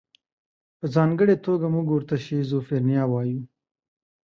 په ځانګړې توګه موږ ورته شیزوفرنیا وایو.